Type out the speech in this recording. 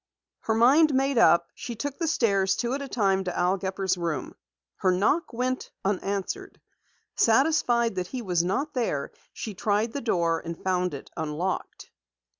Her mind made up, she took the stairs two at a time to Al Gepper's room. Her knock went unanswered. Satisfied that he was not there, she tried the door and found it unlocked.